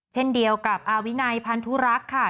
เช่นเดียวกับอาวินัยพันธุรักษ์ค่ะ